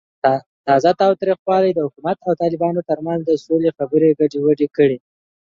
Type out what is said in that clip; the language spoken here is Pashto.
تازه تاوتریخوالی د حکومت او طالبانو ترمنځ د سولې خبرې ګډوډې کړې.